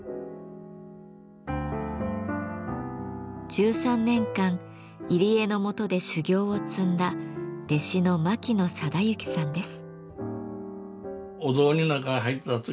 １３年間入江のもとで修業を積んだ弟子の牧野貞之さんです。